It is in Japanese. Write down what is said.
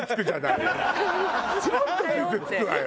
ちょっと傷つくわよ